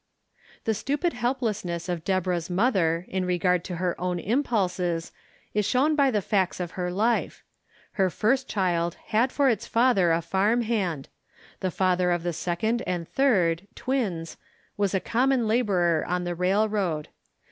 The stupid helplessness of Deborah's mother in re gard to her own impulses is shown by the facts of her life. Her first child had for its father a farm hand ; the father of the second and third (twins) was a common laborer on the railroad.